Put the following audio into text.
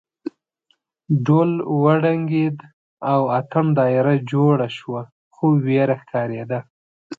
ډول وډنګېد او اتڼ دایره جوړه شوه خو وېره ښکارېده.